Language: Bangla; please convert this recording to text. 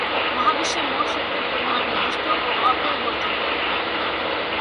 মহাবিশ্বের মোট শক্তির পরিমাণ নির্দিষ্ট ও অপরিবর্তনীয়।